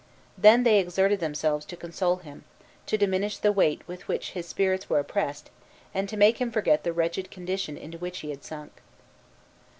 Then they exerted themselves to console him, to diminish the weight with which his spirits were oppressed, and to make him forget the wretched condition into which he had been sunk.